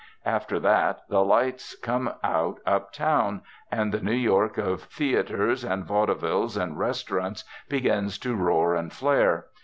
After that, the lights come out up town, and the New York of theatres and vaudevilles and restaurants begins to roar and flare.